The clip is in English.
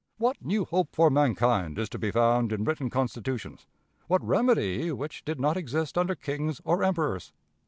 What new hope for mankind is to be found in written constitutions, what remedy which did not exist under kings or emperors?